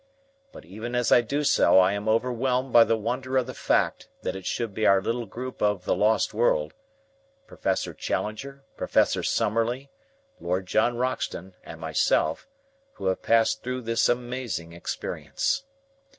But even as I do so, I am overwhelmed by the wonder of the fact that it should be our little group of the "Lost World" Professor Challenger, Professor Summerlee, Lord John Roxton, and myself who have passed through this amazing experience.